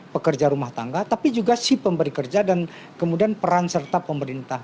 pekerja rumah tangga tapi juga si pemberi kerja dan kemudian peran serta pemerintah